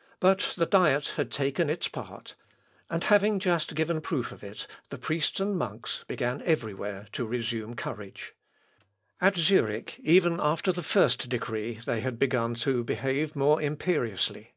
] But the Diet had taken its part, and having just given proof of it, the priests and monks began every where to resume courage. At Zurich, even after the first decree, they had begun to behave more imperiously.